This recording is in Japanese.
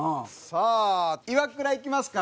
さあイワクラいきますか？